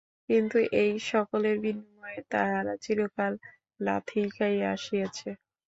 কিন্তু এই-সকলের বিনিময়ে তাহারা চিরকাল লাথিই খাইয়া আসিয়াছে।